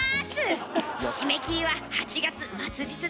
締め切りは８月末日です。